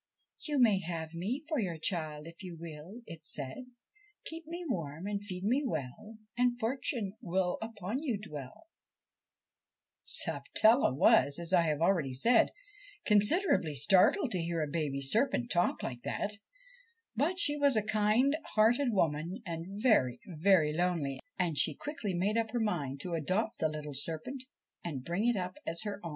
' You may have me for your child if you will,' it said. ' Keep me warm and feed me well, And fortune will upon vou dwell' Sapatella was, as I have already said, considerably startled to hear a baby serpent talk like that ; but she was a kind hearted woman and very, very lonely, and she quickly made up her mind to adopt the little serpent and bring it up as her own.